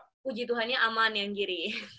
ya puji tuhannya aman yang kiri